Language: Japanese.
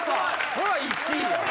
これは１位や。